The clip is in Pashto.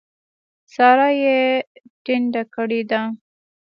سارا يې ټنډه کړې ده.